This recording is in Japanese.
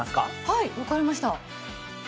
はいわかりました。